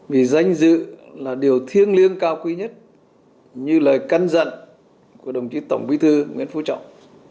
vì danh dự là điều thiêng liêng cao quý nhất như lời căn dặn của đồng chí tổng bí thư nguyễn phú trọng